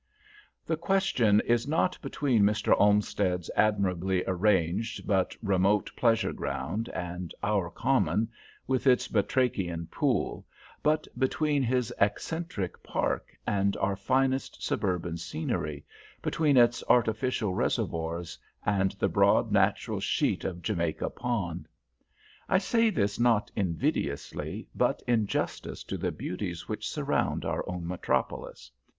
The question is not between Mr. Olmsted's admirably arranged, but remote pleasure ground and our Common, with its batrachian pool, but between his Excentric Park and our finest suburban scenery, between its artificial reservoirs and the broad natural sheet of Jamaica Pond. I say this not invidiously, but in justice to the beauties which surround our own metropolis.